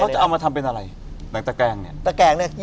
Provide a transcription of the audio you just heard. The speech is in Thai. เขาจะเอามาทำเป็นอะไรแหล่งตะแกงเนี่ย